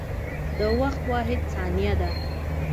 د وخت واحد ثانیه ده.